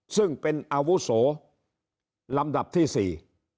ซึ่งเป็นอาวุโสลำดับที่สี่